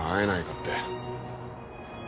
って。